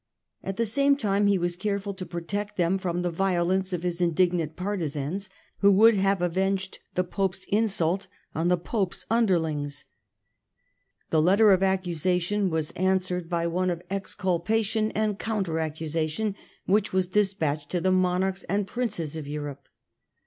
At the same time he was careful to protect them from the violence of his indignant partisans, who would have avenged the Pope's insult on the Pope's underlings. The letter of accusation was answered by THE FIRST EXCOMMUNICATION 83 one of exculpation and counter accusation, which was despatched to the monarchs and princes of Europe.